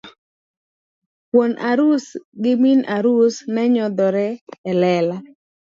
Wuon arus gi min arus ne nyodhore e lela.